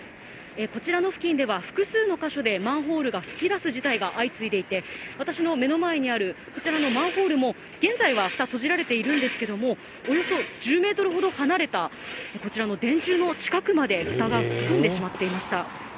こちらの付近では、複数の箇所でマンホールが噴き出す事態が相次いでいて、私の目の前にあるこちらのマンホールも、現在はふた、閉じられているんですけれども、およそ１０メートルほど離れた、こちらの電柱の近くまでふたが吹き飛んでしまっていました。